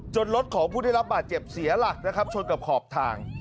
รถของผู้ได้รับบาดเจ็บเสียหลักนะครับชนกับขอบทาง